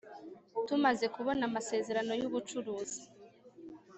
Tumaze kubona Amasezerano y Ubucuruzi